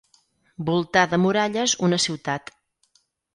Voltar de muralles una ciutat.